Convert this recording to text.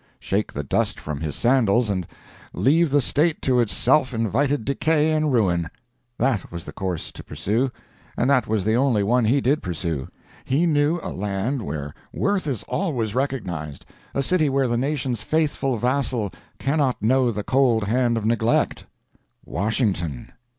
Shake the dust from his sandals and leave the State to its self invited decay and ruin. That was the course to pursue, and that was the one he did pursue. He knew a land where worth is always recognized, a city where the nation's faithful vassal cannot know the cold hand of neglect—WASHINGTON.